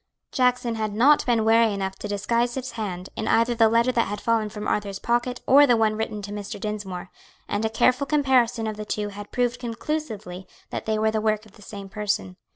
Jackson had not been wary enough to disguise his hand in either the letter that had fallen from Arthur's pocket, or the one written to Mr. Dinsmore, and a careful comparison of the two had proved conclusively that they were the work of the same person.